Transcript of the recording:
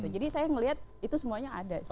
jadi saya melihat itu semuanya ada sih